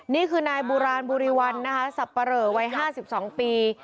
นี่คือนายโบราณบุรีวันนะคะสับปะเหลอวัย๕๒ปี